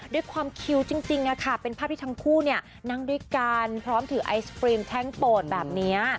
ด้วยความคิวจริงเป็นภาพที่ทั้งคู่นั่งด้วยกันพร้อมถือไอศกรีมแท่งโปรดแบบนี้